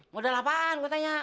modal apaan gue tanya